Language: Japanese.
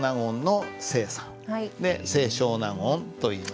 で清少納言といいます。